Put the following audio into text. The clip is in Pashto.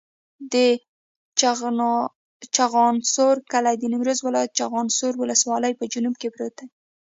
د چخانسور کلی د نیمروز ولایت، چخانسور ولسوالي په جنوب کې پروت دی.